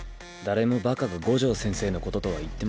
誰もバカが五条先生のこととは言ってませんよ。